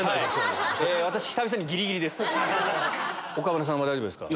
岡村さんは大丈夫ですか？